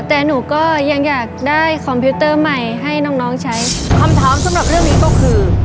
แต่หนูก็ยังอยากได้คอมพิวเตอร์ใหม่ให้น้องน้องใช้คำถามสำหรับเรื่องนี้ก็คือ